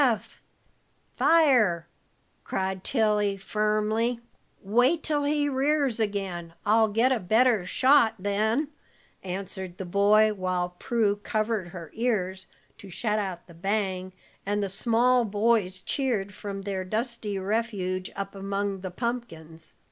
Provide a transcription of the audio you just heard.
"Fire, Eph!" cried Tilly, firmly. "Wait till he rears again. I'll get a better shot, then," answered the boy, while Prue covered her ears to shut out the bang, and the small boys cheered from their dusty refuge up among the pumpkins.